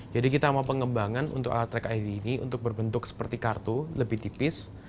kita mau pengembangan untuk alat track id ini untuk berbentuk seperti kartu lebih tipis